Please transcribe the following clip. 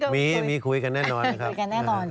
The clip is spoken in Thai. มีมีคุยกันแน่นอนครับ